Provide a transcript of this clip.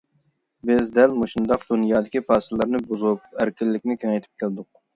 بىز دەل مۇشۇنداق دۇنيادىكى پاسىللارنى بۇزۇپ، ئەركىنلىكنى كېڭەيتىپ كەلدۇق.